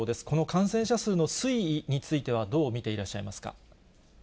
この感染者数の推移については、どう見ていらっしゃいますか。